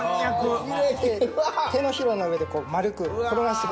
手のひらの上で丸く転がして行く。